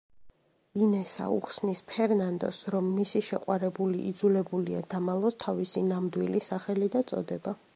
ინესა უხსნის ფერნანდოს, რომ მისი შეყვარებული იძულებულია დამალოს თავისი ნამდვილი სახელი და წოდება.